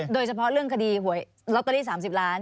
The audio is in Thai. โดยเฉพาะเรื่องคดีหวยลอตเตอรี่๓๐ล้าน